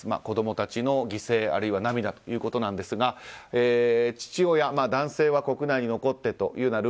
子供たちの犠牲あるいは涙ということなんですが父親、男性は国内に残ってという